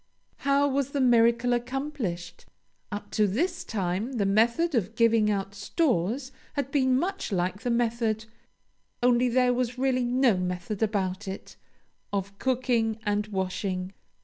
How was the miracle accomplished? Up to this time, the method of giving out stores had been much like the method (only there was really no method about it!) of cooking and washing.